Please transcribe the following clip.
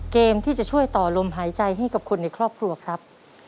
เกมที่จะช่วยต่อลมหายใจให้กับคนในครอบครัวครับ